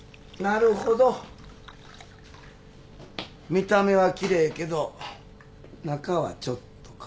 見た目はきれいけど中はちょっとか。